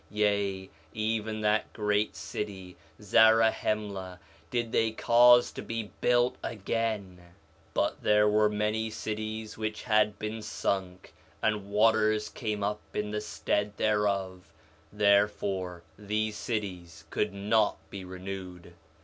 4 Nephi 1:8 Yea, even that great city Zarahemla did they cause to be built again. 4 Nephi 1:9 But there were many cities which had been sunk, and waters came up in the stead thereof; therefore these cities could not be renewed.